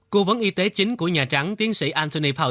cô vấn y tế chính của nhà trắng tiến sĩ anthony